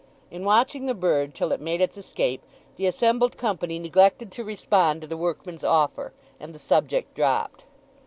In watching the bird till it made its escape the assembled company neglected to respond to the workman's offer, and the subject dropped.